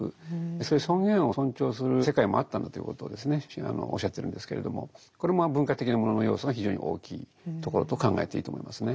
そういう尊厳を尊重する世界もあったんだということをおっしゃってるんですけれどもこれも文化的なものの要素が非常に大きいところと考えていいと思いますね。